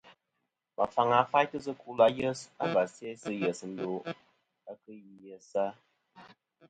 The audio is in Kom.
Và faŋa faytɨ sɨ kul ayes a và sæ sɨ yes ndo a kɨ yesa.